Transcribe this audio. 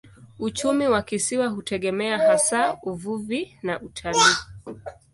Uchumi wa kisiwa hutegemea hasa uvuvi na utalii.